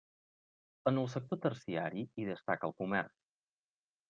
En el sector terciari, hi destaca el comerç.